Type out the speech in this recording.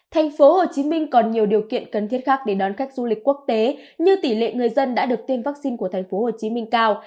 thành phố hồ chí minh còn nhiều điều kiện cần thiết khác để đón khách du lịch quốc tế như tỷ lệ người dân đã được tiêm vắc xin của thành phố hồ chí minh cao